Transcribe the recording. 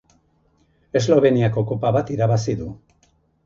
Esloveniako Kopa bat irabazi du.